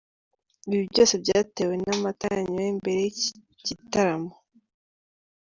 Ibi byose byatewe n’amata yanyoye mbere y’iki gitaramo.